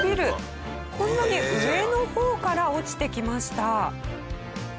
こんなに上の方から落ちてきました。